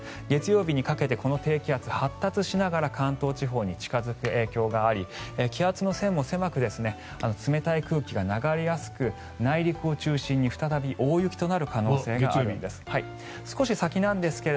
月曜日にかけてこの低気圧、発達しながら関東地方に近付く影響があり気圧の線も狭く冷たい空気が流れやすく内陸を中心に再び大雪となる可能性があるんです。